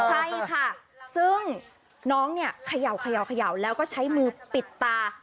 ใช่ค่ะซึ่งน้องเนี่ยเขย่าแล้วก็ใช้มือปิดตา